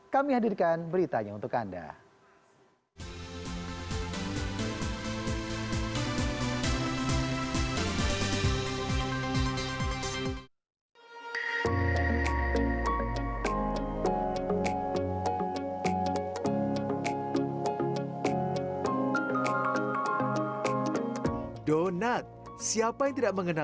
kami hadirkan beritanya untuk anda